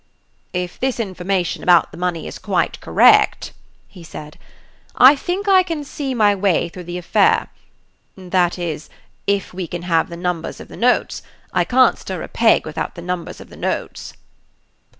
"If this information about the money is quite correct," he said, "I think I can see my way through the affair that is, if we can have the numbers of the notes. I can't stir a peg without the numbers of the notes."